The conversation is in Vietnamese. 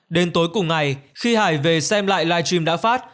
đến tối cùng ngày khi hải về xem lại live stream đã phát